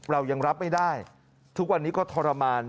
เรายังรับไม่ได้ทุกวันนี้ก็ทรมาน